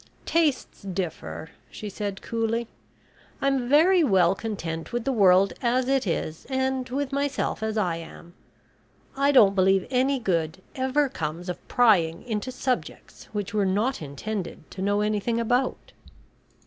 "Tastes differ," she said coolly. "I'm very well content with the world as it is and with myself as I am. I don't believe any good ever comes of prying into subjects we're not intended to know anything about."